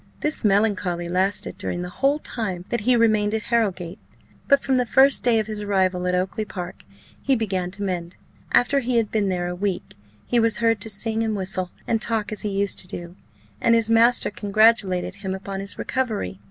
This melancholy lasted during the whole time that he remained at Harrowgate, but from the first day of his arrival at Oakly park he began to mend: after he had been there a week, he was heard to sing, and whistle, and talk as he used to do, and his master congratulated him upon his recovery.